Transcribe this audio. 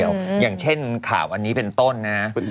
อย่างเช่นข่าวอันนี้เป็นต้นนะ